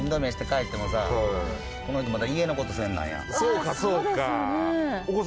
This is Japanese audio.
そうかそうか。